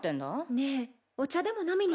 ねえお茶でも飲みに行かない？